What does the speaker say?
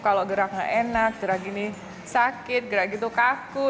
kalau gerak nggak enak gerak gini sakit gerak gitu kaku